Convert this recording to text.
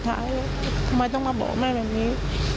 ทำไมต้องมาบอกแม่แบบนี้